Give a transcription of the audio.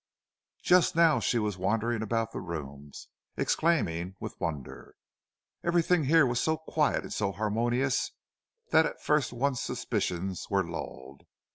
Just now she was wandering about the rooms, exclaiming with wonder. Everything here was so quiet and so harmonious that at first one's suspicions were lulled.